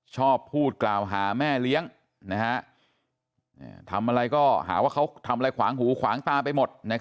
ชอบพูดกล่าวหาแม่เลี้ยงทำอะไรก็หาว่าเขาทำอะไรขวางหูขวางตาไปหมด